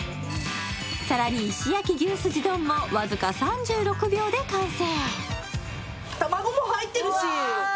更に、石焼牛すじ丼も僅か３６秒で完成。